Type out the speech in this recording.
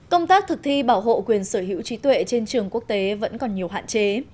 công tác thực thi bảo hộ quyền sở hữu trí tuệ trên trường quốc tế vẫn còn nhiều hạn chế